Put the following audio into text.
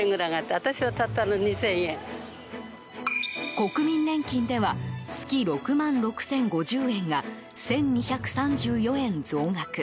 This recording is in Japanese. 国民年金では月６万６０５０円が１２３４円増額。